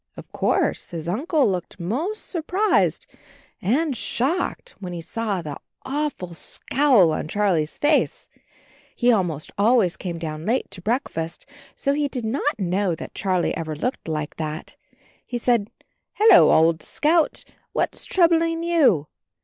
Of course his Uncle looked most surprised and shocked when he saw the awful scowl on Charlie's face — he almost always came down late to breakfast, so he did not know that Charlie ever looked like that. He said, "Hello, old Scout — what's troubling you?